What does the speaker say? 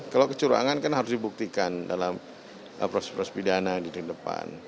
kalau kecurangan kan harus dibuktikan dalam proses proses pidana di tahun depan